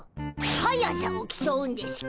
速さをきそうんでしゅか。